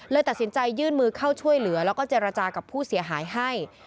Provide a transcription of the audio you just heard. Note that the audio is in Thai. ตัดสินใจยื่นมือเข้าช่วยเหลือแล้วก็เจรจากับผู้เสียหายให้